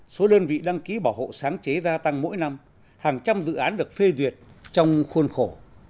số đơn vị đăng ký bảo hộ sáng chế gia tăng mỗi năm hàng trăm dự án được phê duyệt trong khuôn khổ